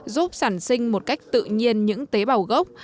giúp sản sinh một cách tự nhiên những tế bào gốc